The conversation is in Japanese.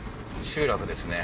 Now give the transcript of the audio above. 集落ですね